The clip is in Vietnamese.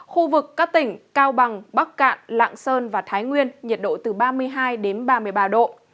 khu vực các tỉnh cao bằng bắc cạn lạng sơn và thái nguyên nhiệt độ từ ba mươi hai đến ba mươi ba độ